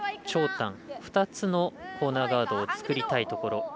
長短２つのコーナーガードを作りたいところ。